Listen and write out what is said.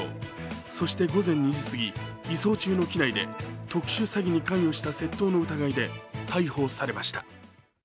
そして午前２時すぎ、移送中の機内で特殊詐欺に関与した窃盗の疑いで逮捕されました。